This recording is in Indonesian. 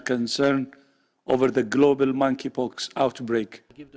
terhadap penyakit monkeypox global